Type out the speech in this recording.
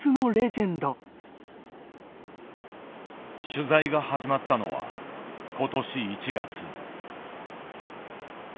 取材が始まったのは今年１月。